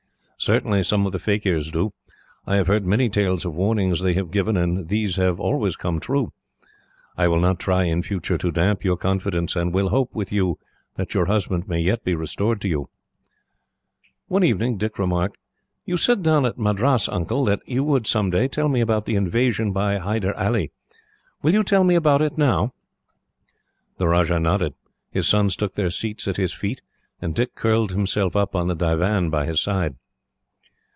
Certainly, some of the Fakirs do. I have heard many tales of warnings they have given, and these have always come true. I will not try, in future, to damp your confidence; and will hope, with you, that your husband may yet be restored to you." One evening, Dick remarked: "You said down at Madras, Uncle, that you would, someday, tell me about the invasion by Hyder Ali. Will you tell me about it, now?" The Rajah nodded. His sons took their seats at his feet, and Dick curled himself up on the divan, by his side.